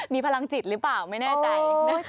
มีพลังจิตหรือเปล่าไม่แน่ใจนะคะ